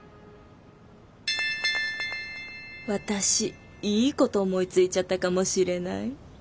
私いいこと思いついちゃったかもしれない。